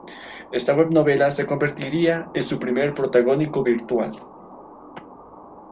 Esta web novela se convertiría en su primer protagónico virtual.